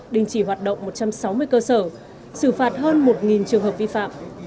đình chỉ hoạt động một trăm sáu mươi cơ sở xử phạt hơn một trường hợp vi phạm